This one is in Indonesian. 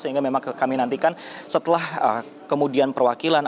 sehingga memang kami nantikan setelah kemudian perwakilan